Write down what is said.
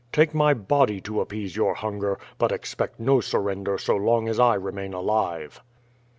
Take my body to appease your hunger; but expect no surrender so long as I remain alive."